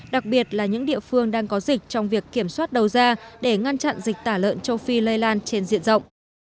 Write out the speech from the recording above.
đặc biệt là những địa phương đang có dịch trong việc kiểm soát đầu ra để ngăn chặn dịch tả lợn châu phi lây lan trên diện rộng